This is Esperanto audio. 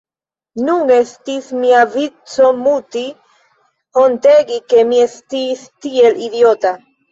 Nun estis mia vico muti, hontegi ke mi estis tiel idiota.